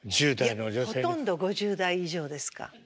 いやほとんど５０代以上ですか。